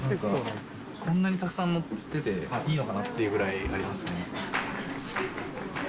こんなにたくさん載ってていいのかなっていうくらいになりますね。